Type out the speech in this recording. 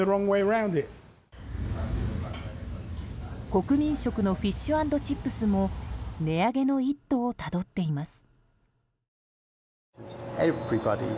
国民食のフィッシュアンドチップスも値上げの一途をたどっています。